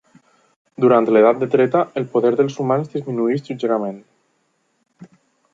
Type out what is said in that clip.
Durant l'Edat de Treta, el poder dels humans disminueix lleugerament.